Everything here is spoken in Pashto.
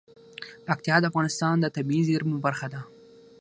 پکتیا د افغانستان د طبیعي زیرمو برخه ده.